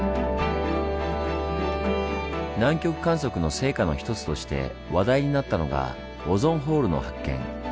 南極観測の成果の一つとして話題になったのがオゾンホールの発見。